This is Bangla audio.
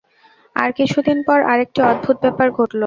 তার কিছুদিন পর আরেকটি অদ্ভুত ব্যাপার ঘটল।